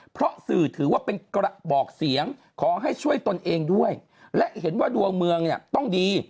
เพราะสื่อถือว่าเป็นกระบอกเสียงขอให้ช่วยตนเองด้วยและเห็นว่าดวงเมืองเนี่ยต้องดี